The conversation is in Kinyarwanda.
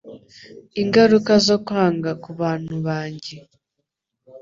Ingaruka zo kwangwa kubantu banjye